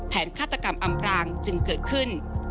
ฆาตกรรมอำรางจึงเกิดขึ้น